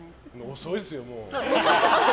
遅いですよ、もう。